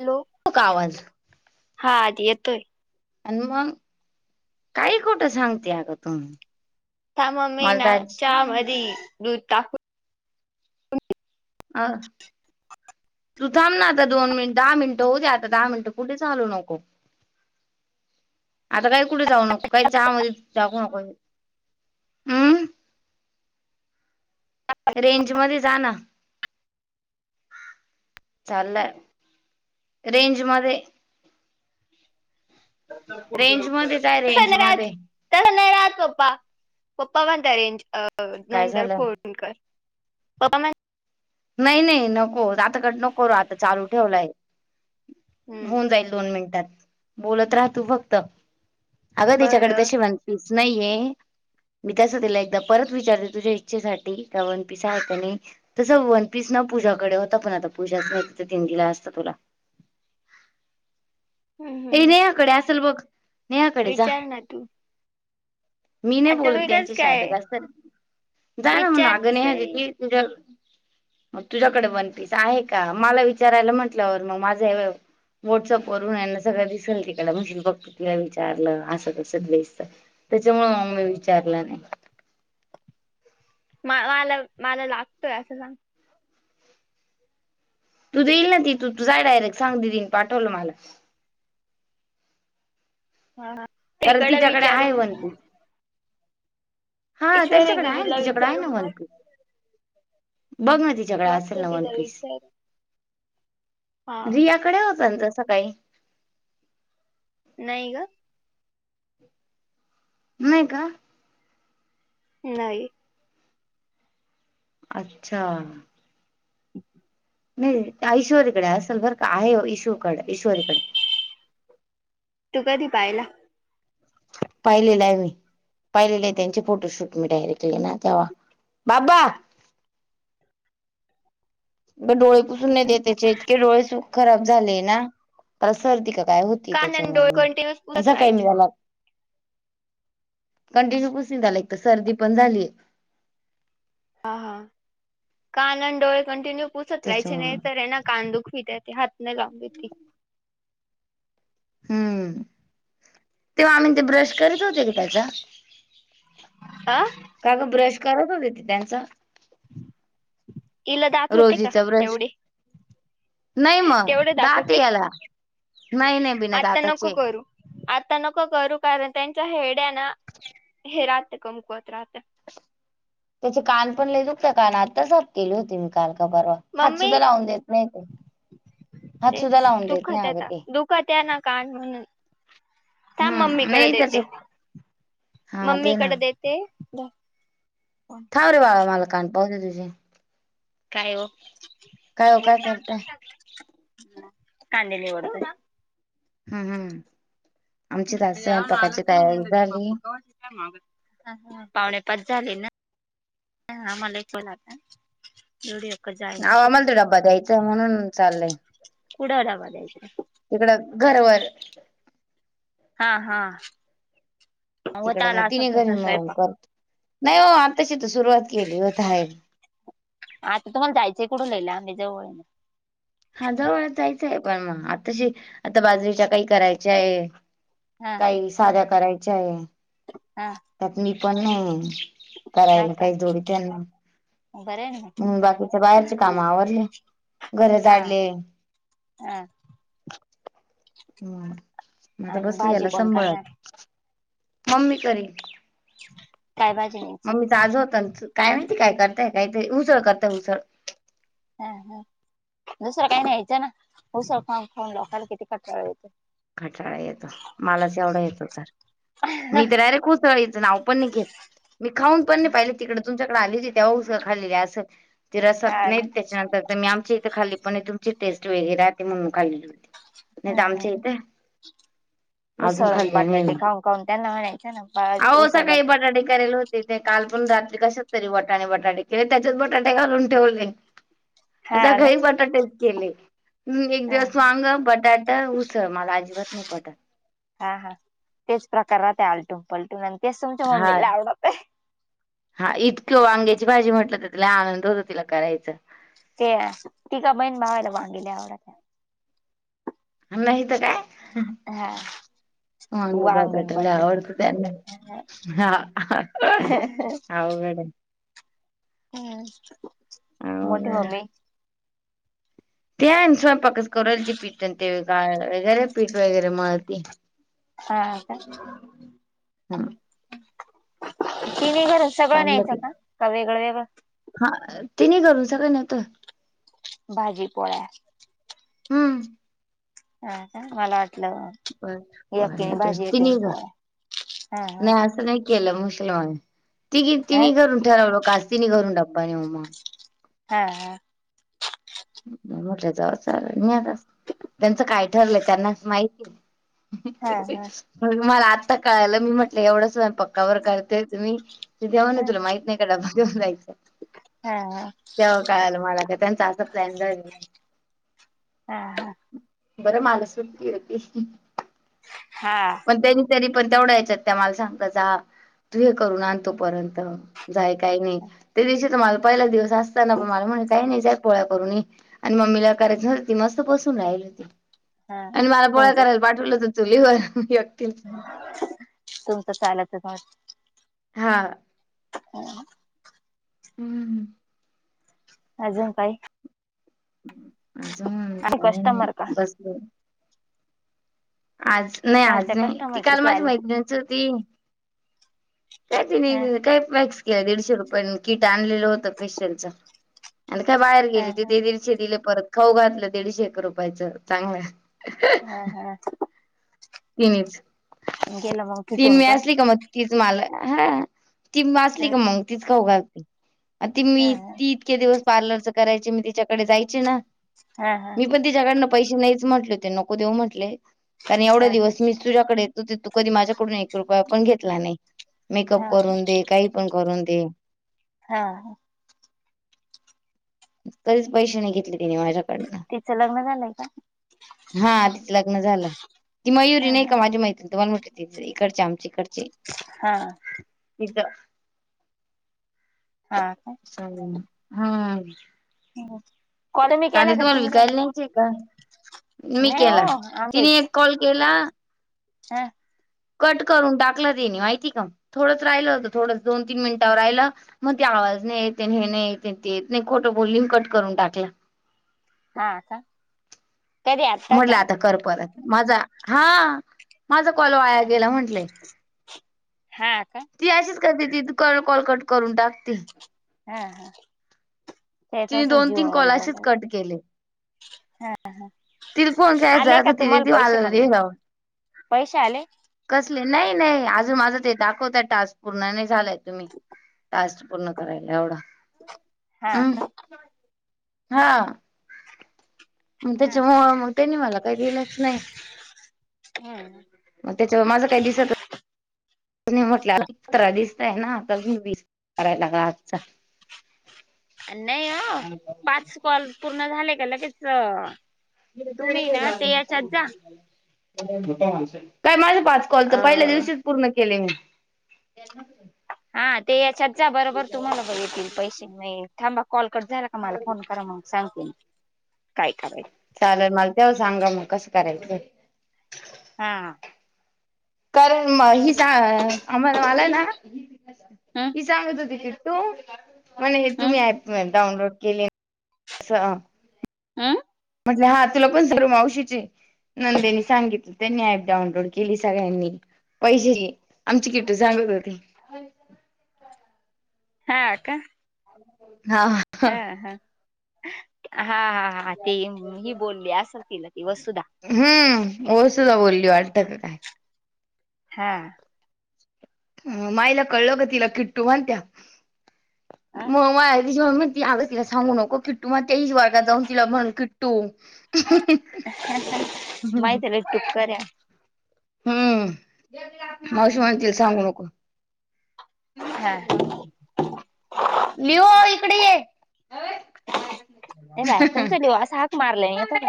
Hello! तो का आवाज हा आजी येतोय. आणि मग, काय खोटं सांगते अगं तुम्ह त्या मम्मी ना चहा मध्ये दूध टाकू अ तू थांब ना आता दोन मिनिट, दहा मिनिट होऊदे, दहा मिनटं कुठेच हालू नको. आता काही कुठे जाऊ नको काही चहामध्ये दूध टाकू नको. हम रेंज मध्ये जा ना. चाललंय, रेंज मध्ये रेंज मध्येच आहे रेंज [unintelligible] मध्ये त्याला नाही राहत पप्पा, पप्पा म्हणत रेंज अ काय नंतर झालं फोर कर पप्पा म नाही नाही नको आता कट नको करू, आता चालू ठेवलाय होऊन हम्म जाईल दोन मिनटात. बोलत रहा तु फक्त, अगं तिच्याकडं बरं तशी वन पीस नाहीये. मी तसं तिला एकदा परत विचारते तुझ्या इच्छेसाठी, का वन पिसा आहे का नाही, तसं वन पीस ना पूजाकडे होता, पण आता पूजाच नाही तीन दिला असतं तुला. हम्म ए हम्म रियाकडे असेल बघ. नेहाकडे जा विचार न तू. मी नाही आता बोलत मी कस त्यांची शध काय का असत जा ना म विचार तस अगनेी जर मग तुझ्याकडे वनपीस आहे का मला विचारायला म्हटल्यावर मग माझा हे व्हॉट्सअप वरूनना सगळं दिसेल तिकड म्हश फक्त तिला विचारलं असं कसं दिसत त्याच्यामुळे अ विचारला नाही मला मला लागतोय असं सांग. तू देईल ना ती तू जाय डायरेक्ट सांग दीदीनं पाठवल मला. हा ह कारण तिच्याकडे आहे वन पीस. हा ईश्वरी त्यांच्याकडे आहे ना दिदीला तिच्याकडे आहे ना विचारून वन मग पीस, बघ ना त झगडा असेल बघते ना वन तिला पीस विचारून हा रियाकडे होत ना तसं काळी नाही का नाही का नाही अच्छा नाही ईश्वरीकडे असेल बरं का आहे ईश्ूकडे ईश्वरीकडे तू कधी पाहिला पाहिलेलं आहे मी पाहिलेलं आहे त्यांचे फोटोशूट मी डायरेक्टले ना तेव्हा बाबा मग डोळे पुसून नाही देत त्याचे इतके डोळे सुख खराब झाले ना सर्दी का काय हो कान त्याच्या आणि डोळे म कंटिन्यूअस पुसत ज काय मी राहायचे त्याला कंटिन्यू पुसून झालं एक तर सर्दी पण झाली आहे हा हा कान आणि डोळे कंटिन्यू पुूसत राहाचे त्याच्यामुळे नाही तरर एना कान दुखवी देत ते हातने लावून द त हम्म तेव्हा आम्ही ते ब्रश करीत होते का त्याचा आह का का ब्रश करत होते त त्यांचं इल जात होते का रोजीचा ब्रश तेवढी नाही मग तेवढं जात हो दात ते याला नाही नाही बिना आत्ता नको दाताचे करू आता नको करू कारण त्यांच्या हेड्या ना हे राहते कमकवत राहते त्याचे कान पण ल दुकता कान आत्ता साफ केले होती मी काल का परवा हात सुद्धा मम्मी लावून देत नाही ते हात तेच सुद्धा लावून देत दुखद नाही अगं आहेता ते दुखत आहे ना कान म्हणून थांब हम्म मम्मीकडे नाही त्याच देते हा दे मम्मीकडे ना देते ते द ह रे बा मला कान पावते तुझे काय हो काय हो काय करताय कंटिन्यूत हम्म हम् याव ना तयारी आलग्यव हती प झाली प कावाट [unintelligible] पावणे पाच झाले ना मला एकला जडीक जा आवा आम्हाला त ड्बा द्यायचा म्हणून चालय कुड आरामदये तिकडं घरवर हा हा होत तिकडं आला मग असेल तिने घरी तुमचा म स्वयंपाक करत नाही हो आताशी तर सुरुवात केली होताहे आता तुम्हाला जायच कुठून लहिलं आम्ही जवळ ये हा जवळ जायचं आहे पण मग आ तशी आता बाजरीच्या काही करायच्या आहे हा काही साध्या करायच्या आहे हा त्यात मी पण नाही हा करायला का काही जोडीतना बरं आहे ना बाकीच्या बाहेरचे काम आवरले घर हा जाडी हा हम् मता आणि बसली भाजी याला कोण करणार संभाळत मम्मी करी. ह [unintelligible] काय बाजे मम्मीच आज होत काय माहिती काय करतय काही उसळ करतय उसळ हा हा दुसरं काही न्यायचं ना उसा खाऊन लोकांला किती कटाळ येत कटाळा येतो मलाच एवढा येतो तर मी तर डायरेक्ट हो. च नाव पण नाही घेत मी खाऊन पण नाही पाहिले. तिकडे तुमच्याकडे आली होती तेव्हा हुसळ खाल्लेली असंल ते हा रसत नाही ना त्याच्यानंतर तर मी आमच्या इथे खाल्ली. तुमची टेस्ट वगळी म्हणून खालेली होती. हा नाही तर हा. आमच्या इथे अजून उसळ खाल्ली नाही बटाटे मी. खाऊन खाऊन त्यांना म्हणायचे ना अहो उसळ सकाळी बटाटे. करेल हो. तिथे काल पण रात्री कशात तरी वटाणे बटाटे किवा त्याच्यात बटाटे घालून ठेवले. हा असा ना घरी बटाटे केले एक हा दिवस वांग बटाट उसळ मला अजिबात नाही पटत. हा हा तेच प्रकार राहते आलटून पलटून आणि तेच तुमच्या हा मम्मीला आवडत आहे. हा इतक्य वांग्याची भाजी म्हटलं तर तिला आनंद होत तिला करायच. ते तीग बहीण भावायला वांगे लइ आवडत्या. नाही तर काय हा. वांग बटाट लई आवडत तयांना. हा अवघड ये. हम् मोठी अवघड ममी. त्यानसय पक कोरालची पीठत ते का वगैरे [unintelligible] पीठ वगैरे मळती हा ह. ति्ही बर सगळं चाललं न्यायचं ते का वेगळं वेगळं हा तिन्ही घरून सगळ नेतोय. भाजी पोळ्या. हम्म हाका मला वाटत. बर बर एकीने नेतो भाजी तिन्ही एकीने ग पोळ्या हा हा. नाही असं नाही केलं मुसलमान ति हा तिने करून ठरवलं कास तिने करून टप्पा म् हा हा. मोठया जावच आल नेला त्यांचं काय ठरलं त्यांनाच हा माहिती. हा [inaudible] मला आत्ता कळायला मी म्हटलं एवढा स्वयंपाक का बर करता तुम्ही तेम्हनले हा ना तुला माहित नाही डबा घेऊन जायच. हा तेव्हा कळाल मला का त्यांचा असा प्लॅन झाला हा हा. बरं माला सुट्टी होती. हां. पण त्यांनी तरी पण तेवढ्या याच्यात त्या मला सांगत जा तू हे करून आणतो पर्यंत जाय काही नाही त्या दिवशी तर मला पहिला दिवस असताना पण मला म्हण काही नाही पोळ्या करूनये आणि मम्मीला करायच नव्हत ती मस्त बसून राहिली होती. हा आणि मला पोळ्या तुमचं करायला पाठवलं तर चुलीवर एकटीला. तुमच चालाचट [unintelligible] हा. हो. हम्म. अजून काय अजं आणि का नाही कस्टमर का बसलं आज नाही कालच्या आज नाही ती कस्टमर काल किती माझ्या आले मैत्रिंची होती काय त ह नाही काय वॅक्स केलं दीडशे रुपया किट आणलेलं होतं. आणि काय बाहेर ह गेली त ते दि शे दिले परत खाऊ घातलं दीडशे रुपयाचं चांगल. ह हा तिनच गेलं मग तीन फिटून मी असली का मग तीच मला हा ती वाचली ह का मग तिथ खाऊ घालते त मी हा ती इतके दिवस पार्लर च करायचे मी तिच्याकडे जायची ना हा हा तीच्याकडनं पैसे नाहीच म्हटले हो ते नको देऊ म्हटले कारण हा एवढं मी तुझ्याकडे येतो त तू कधी माझ्याकडून एक रुपया पण घेतला नाही मेकअप हा करून दे काही पण करून दे हा कधीच पैसे नाही घेतले तने माझ्या तिचं लग्न झालंय का हा तिच लग्न झालं ती मयुरी हा नाही का माझी मैत्री तुम्हाला म्हट इकडचे आमचे इकडचे हा हथ हा का स हा हो कांद तुम्हाला विकायला नाहीयचे का मी नाही हो केला तिने एक कॉल केला हा कट करून टाकलं तेनी माहिती का थोडंच राहिलं होतं थोडंच दोन तीन मिनिटांवर राहिलं मग ते आवाज नाही येते हे नाही येते ते येत नाही खोटं बोलली कट करून टाकला हा का कधी म्हटलं का आता कर परत माझा हा माझा कॉलो वाया गेला म्हंटलंय हा अ का ती अशीच करते ती कोलकट करून टाकते हा हा ते तर तिने अस असल दोन तीन जर कॉल ब असेच कट केले. हा ह तिला फोन आले करायचा का तर तिने तुम्हाला ती पैसे मला पण हे ना लावून पैसे आले कसले नाही नाही अजून माझं ते दाखवता टास्क पूर्ण नाही झालाय तुम्ही टास् पूर्ण करायला एवढा हा हम् का हा मग त्याच्या मग त्यांनी मला काही दिलंच नाही ह मग त्याच्या माझं काही दिसत तु म्हटलं अ पतरा दिस आहे ना आता अजून वीस करायलाग आजचा ह नाही अ पाच कॉल पूर्ण झाले का लगेच का तुम्ही ना ते याच्यात जा काय माझ पाच कॉल तर पहिल्या अ दिवशीच पूर्ण केले मी हा ते याच्यात जा बरोबर तुम्हाला ब येतील पैसे नाही थांबा कॉलकट झाला आम्हाला फोन करा मग सांगते मी काय कावाय चालेल मला तेव्हा सांगा मग कसं करायचं हा कारण म हिचा आम्हाला मला ना हं. ही सांगत होती किट्टू, म्हणे हम् तुम्ही ऍप डाउनलोड केले असं. अं. म्हट हा तुला पण सर्व मावशीचे नंदेनी सांगितलं त्यांनी ऍप डाउनलोड केली सगळ्यांनी पैसे क आमची किट सांगत होती हा का हा. आ हा, हा हा हा. आ ते ही बोलली असंल तिला ती वस्तुधा. हम्म ओ सुद्धा बोलली वाटतं का हा. माईला कळलं ग तिला किट्टू म्हणत्या. अ मग माय [unintelligible] ती आग तिला सांगू नको किट्टू म्हणत्या, हिच वर्गात जाऊन तिला म्हण किट्टू. माहित हाय ना [unintelligible] हम्म. मावशी म्हणलती सांगू नको. हा. लिओ इकडे ये. हे बाय तुमच लिओ असं हाक मारल्यावर येतं का?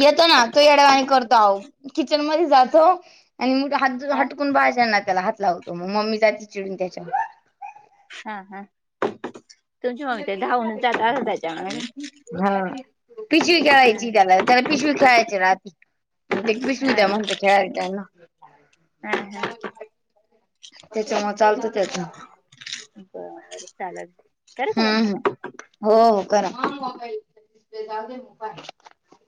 येतो ना, तो येड्यावाणी करतो आओ. किचन मध्ये जातो आणि मग हात तुझं हा हटकून बाहेर जाणार त्याला हात लावतो म्हणून. मग मी जायची चिडून त्याच्यावर. शाना हाय. हा पिशवी हा ठेवायची. त्याला त्याला पिशवी खेळायचीना ती. ते पिशवी द्या म्हणत खेळाय [unintelligible] आ हा. त्यांच्यामुळं चालतो त्याचा. बर चालायचं. हम्म, हो हो करा.